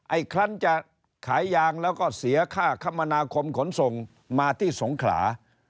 อีกครั้งจะขายยางแล้วก็เสียค่าคมนาคมขนส่งมาที่สงขลา